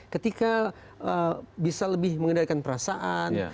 ketika bisa lebih mengendalikan perasaan